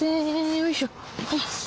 よいしょ。